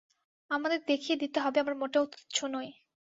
আমাদের দেখিয়ে দিতে হবে আমরা মোটেও তুচ্ছ নই।